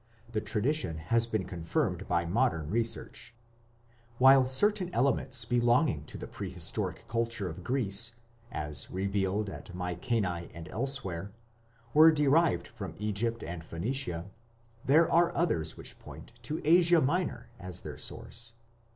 The tradition has been confirmed by modern research. While certain elements belonging to the prehistoric culture of Greece, as revealed at Mykenae and elsewhere, were derived from Egypt and Phoenicia, there are others which point to Asia Minor as their source.